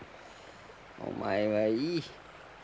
お前はいい。